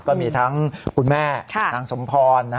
ก็มีทั้งคุณแม่นางสมพร